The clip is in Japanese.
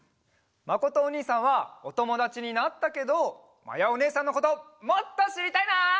まことおにいさんはおともだちになったけどまやおねえさんのこともっとしりたいな！